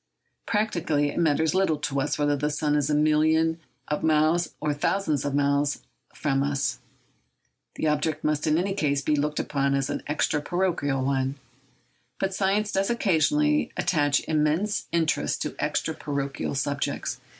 Practically, it matters little to us whether the sun is a million of miles or a thousand millions of miles from us. The subject must in any case be looked upon as an extra parochial one. But science does occasionally attach immense interest to extra parochial subjects.